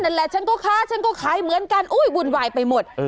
นั่นแหละฉันก็ค้าฉันก็ขายเหมือนกันวุ่นวายไปหมด